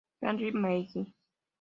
Henry Meiggs